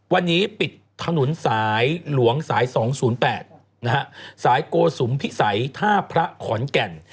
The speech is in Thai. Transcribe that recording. วันนี้ปิดถนนสายหลวงสาย๒๐๘นะฮะสายโกสุมพิสัยท่าพระขอนแก่น